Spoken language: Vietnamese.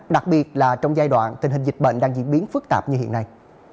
đặc biệt là trong giai đoạn tình hình dịch bệnh đang diễn biến phức tạp như hiện nay